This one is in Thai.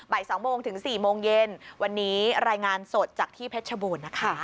๒โมงถึง๔โมงเย็นวันนี้รายงานสดจากที่เพชรชบูรณ์นะคะ